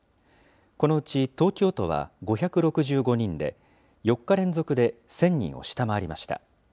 このうち東京都は５６５人で、４日連続で１０００人を下回りました。